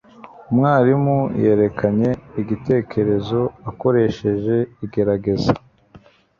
umwarimu yerekanye igitekerezo akoresheje igerageza